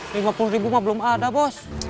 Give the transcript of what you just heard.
lima puluh ribu mah belum ada bos